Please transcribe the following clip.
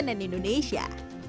riputan cnn indonesia